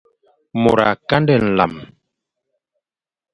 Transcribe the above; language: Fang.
Mor a kandé nlan.